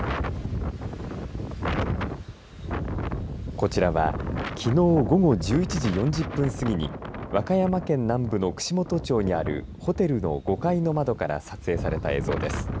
こちらはきのう午後１１時４０分過ぎに和歌山県南部の串本町にあるホテルの５階の窓から撮影された映像です。